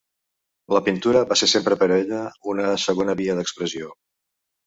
La pintura va ser sempre per a ella una segona via d'expressió.